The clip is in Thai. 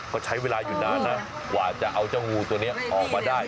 ก็ใช้เวลาอยู่นานนะกว่าจะเอาเจ้างูตัวนี้ออกมาได้